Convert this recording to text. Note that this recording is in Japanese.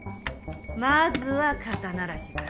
まずは肩慣らしだ。